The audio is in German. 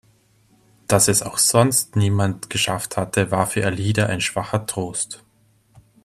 Dass es auch sonst niemand geschafft hatte, war für Alida ein schwacher Trost.